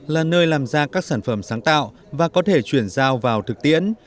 là nơi làm ra các sản phẩm sáng tạo và có thể chuyển giao vào thực tiễn